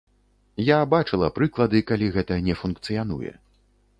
Я бачыла прыклады, калі гэта не функцыянуе.